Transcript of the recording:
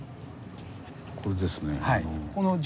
これですね。